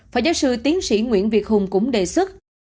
phó giáo sư tiến sĩ nguyễn việt hùng cũng đề xuất